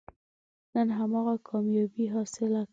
نن هماغه کامیابي حاصله کړو.